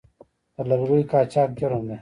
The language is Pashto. د لرګیو قاچاق جرم دی